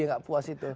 yang nggak puas itu